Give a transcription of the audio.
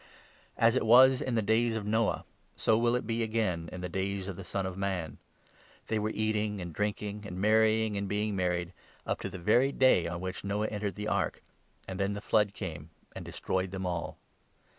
As it was in the days 26 of Noah, so will it be again in the days of the Son of Man. They were eating and drinking and marrying and being 27 married, up to the very day on which Noah entered the ark, and then the flood came and destroyed them all.